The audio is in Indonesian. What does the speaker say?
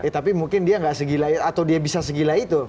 atau dia bisa segila itu